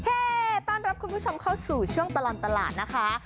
ต้อนรับคุณผู้ชมเข้าสู่ช่วงตลอดตลาดนะคะ